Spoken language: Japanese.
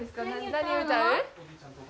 何歌うの？